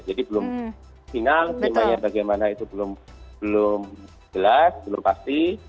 jadi belum final bagaimana itu belum jelas belum pasti